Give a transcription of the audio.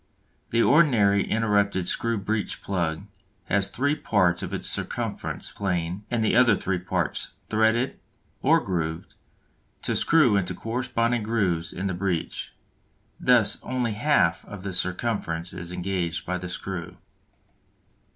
The ordinary interrupted screw breech plug has three parts of its circumference plane and the other three parts "threaded," or grooved, to screw into corresponding grooves in the breech; thus only half of the circumference is engaged by the screw.